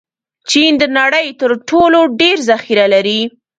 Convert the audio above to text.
چین د نړۍ تر ټولو ډېر ذخیره لري.